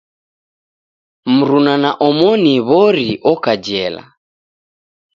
Mruna na omoni w'ori oka jela.